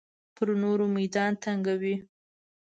پر نورو میدان تنګوي.